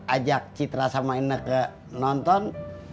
ajak citra sama inner ke nonton